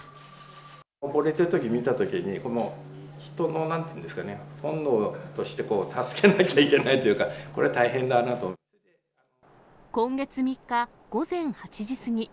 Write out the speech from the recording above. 溺れているのを見たときに、人のなんていうんですかね、本能として、助けなきゃいけないというか、今月３日午前８時過ぎ。